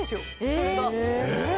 それがえっ？